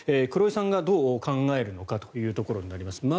黒井さんがどう考えるのかというところになります。